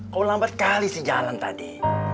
kok lambat kali si jalan tadi